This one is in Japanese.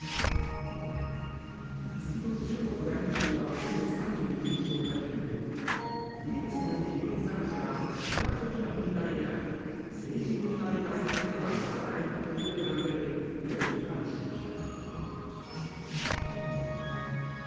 すると、中国外務省は先月３１日の会見でウイルスの起源探しは科学的な問題であり政治問題化させてはならないと述べたうえでこう批判しました。